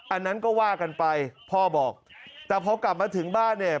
อันนั้นก็ว่ากันไปพ่อบอกแต่พอกลับมาถึงบ้านเนี่ย